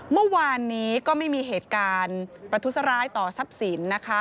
เมื่อวานนี้ก็ไม่มีเหตุการณ์ประทุษร้ายต่อทรัพย์สินนะคะ